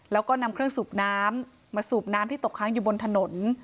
แล้วก็นำเครื่องสูบน้ำมาสูบน้ำที่ตกค้างอยู่บนถนน